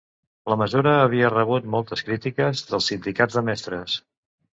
La mesura havia rebut moltes crítiques dels sindicats de mestres